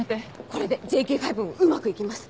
これでＪＫ５もうまく行きます。